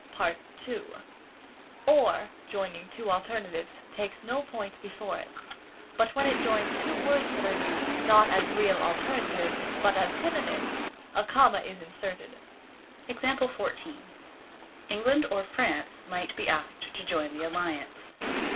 (b) "Or," joining two alternatives, takes no point before it; but when it joins two words that are used, not as real alternatives, but as synonyms, a comma is inserted. England or France might be asked to join the alliance.